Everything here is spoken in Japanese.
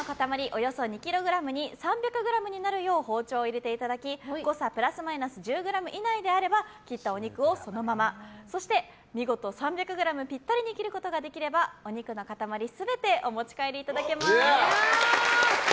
およそ２ｋｇに３００ｇになるよう包丁を入れていただき誤差プラスマイナス１０ｇ以内であれば切ったお肉をそのままそして見事３００ｇピッタリに切ることができればお肉の塊全てお持ち帰りいただけます。